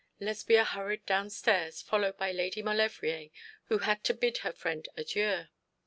Lesbia hurried downstairs, followed by Lady Maulevrier, who had to bid her friend adieu.